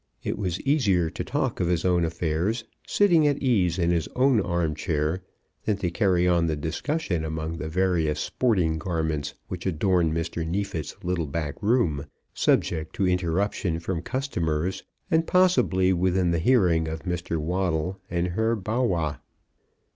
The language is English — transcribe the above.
It was easier to talk of his own affairs sitting at ease in his own arm chair, than to carry on the discussion among the various sporting garments which adorned Mr. Neefit's little back room, subject to interruption from customers, and possibly within the hearing of Mr. Waddle and Herr Bawwah.